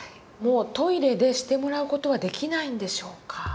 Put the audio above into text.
もうトイレでしてもらう事はできないんでしょうか。